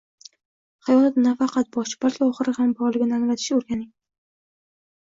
Hayot nafaqat boshi, balki oxiri ham borligini anglatish o'rgating.